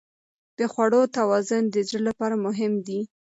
د خوړو توازن د زړه لپاره مهم دی.